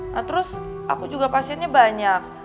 nah terus aku juga pasiennya banyak